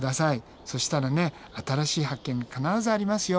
そしたらね新しい発見必ずありますよ。